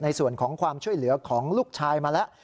ในส่วนของความช่วยเหลือของลูกชายมาแล้ว